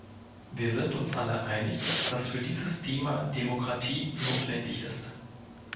Wir sind uns alle einig, dass für dieses Thema Demokratie notwendig ist.